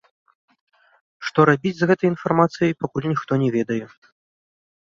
Што рабіць з гэтай інфармацыяй, пакуль ніхто не ведае.